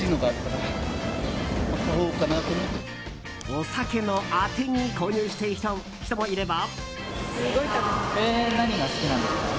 お酒のあてに購入している人もいれば。